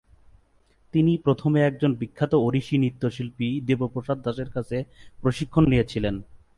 তিনি প্রথমে একজন বিখ্যাত ওড়িশি নৃত্যশিল্পী দেব প্রসাদ দাসের কাছে প্রশিক্ষণ নিয়ে ছিলেন।